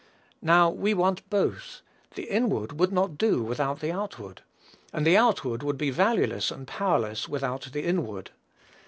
Now we want both: the inward would not do without the outward; and the outward would be valueless and powerless without the inward.